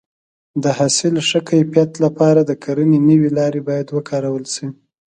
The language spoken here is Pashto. د حاصل د ښه کیفیت لپاره د کرنې نوې لارې باید وکارول شي.